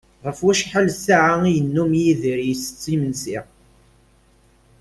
Ɣef wacḥal ssaɛa i yennum Yidir itett imensi?